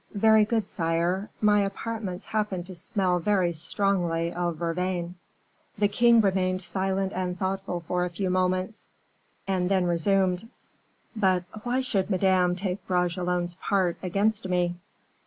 "Very good, sire! my apartments happen to smell very strongly of vervain." The king remained silent and thoughtful for a few moments, and then resumed: "But why should Madame take Bragelonne's part against me?"